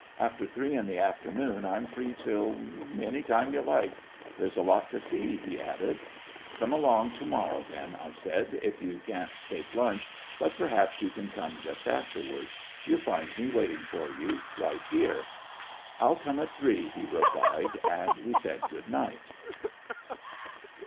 After three in the afternoon I'm free till any time you like. There's a lot to see," he added. "Come along to morrow then," I said. "If you can't take lunch, perhaps you can come just afterwards. You'll find me waiting for you right here." "I'll come at three," he replied, and we said good night.